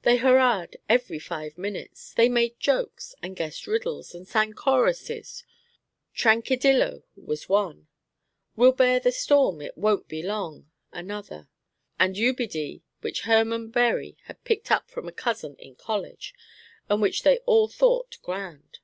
They hurrahed every five minutes. They made jokes and guessed riddles, and sang choruses, "Tranquidillo" was one; "We'll bear the storm, it won't be long," another; and "Ubidee," which Herman Bury had picked up from a cousin in college, and which they all thought grand.